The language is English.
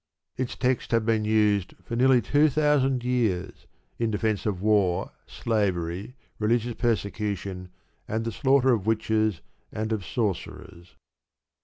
Its texts have been used for nearly two thousand years in defence of war, slavery, religious persecution, and the slaughter of "witches" and of "sorcerers."